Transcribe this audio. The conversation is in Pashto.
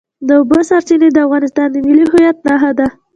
د اوبو سرچینې د افغانستان د ملي هویت نښه ده.